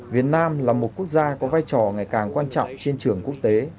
việt nam là một quốc gia có vai trò ngày càng quan trọng trên trường quốc tế